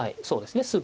そうですね。